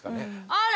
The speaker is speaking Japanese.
あら。